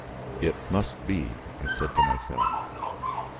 "It must be!" I said to myself.